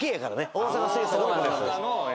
大阪制作の。